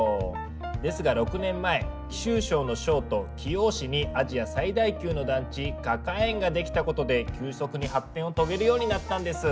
ですが６年前貴州省の省都貴陽市にアジア最大級の団地花果園が出来たことで急速に発展を遂げるようになったんです。